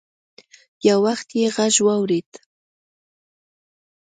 يو وخت يې غږ واورېد.